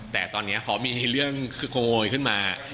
แต่ตอนนี้พอมีเรื่องโกยขึ้นมา